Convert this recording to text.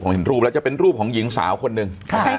เห็นรูปแล้วจะเป็นรูปของหญิงสาวคนหนึ่ง